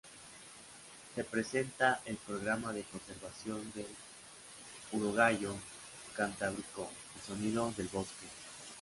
Se presenta el Programa de Conservación del urogallo cantábrico "El Sonido del Bosque".